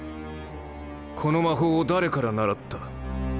この魔法を誰から習った？